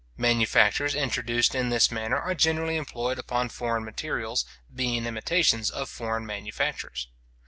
Manufactures introduced in this manner are generally employed upon foreign materials, being imitations of foreign manufactures.